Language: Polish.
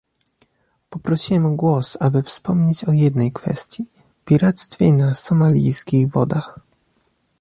Poprosiłem o głos, aby wspomnieć o jednej kwestii - piractwie na somalijskich wodach